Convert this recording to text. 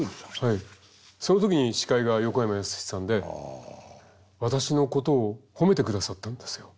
その時に司会が横山やすしさんで私のことを褒めてくださったんですよ。